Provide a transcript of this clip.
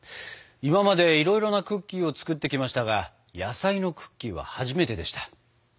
今までいろいろなクッキーを作ってきましたが野菜のクッキーは初めてでした。